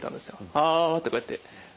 アってこうやって。